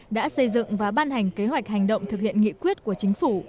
đã xây dựng và ban hành kế hoạch hành động thực hiện nghị quyết của chính phủ